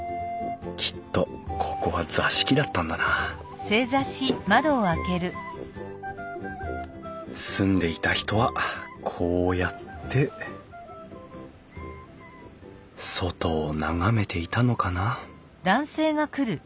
きっとここは座敷だったんだな住んでいた人はこうやって外を眺めていたのかな？